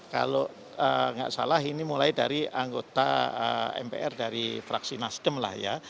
kalau nggak salah ini mulai dari anggota mpr dari fraksi nasdem lah ya